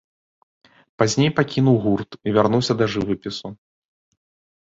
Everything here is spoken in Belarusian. Пазней пакінуў гурт і вярнуўся да жывапісу.